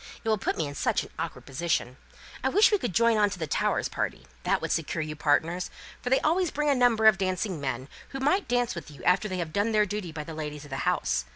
It will put me in such an awkward position. I wish we could join on to the Towers party. That would secure you partners, for they always bring a number of dancing men, who might dance with you after they had done their duty by the ladies of the house.